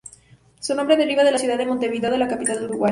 Su nombre deriva de la ciudad de Montevideo, la capital de Uruguay.